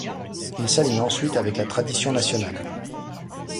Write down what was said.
Il s'aligne ensuite avec la tradition nationale.